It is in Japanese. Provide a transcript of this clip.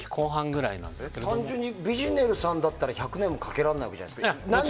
単純にヴィジュネルさんだったら１００年もかけられないわけじゃないですか。